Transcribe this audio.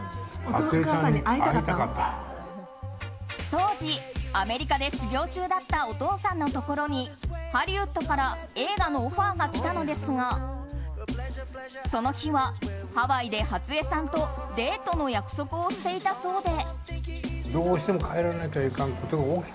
当時、アメリカで修行中だったお父さんのところにハリウッドから映画のオファーが来たのですがその日はハワイで初枝さんとデートの約束をしていたそうで。